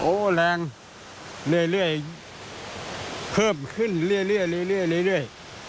แรงเรื่อยเพิ่มขึ้นเรื่อย